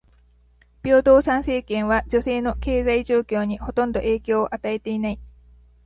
平等参政権は女性の経済状況にほとんど影響を与えていない。